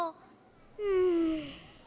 うん。